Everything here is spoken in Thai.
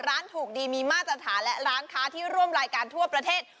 ร้านถูกดีมีมาตรฐานและร้านค้าที่ร่วมรายการทั่วประเทศ